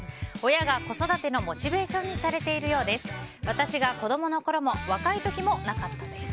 親が子育てのモチベーションにされているようです。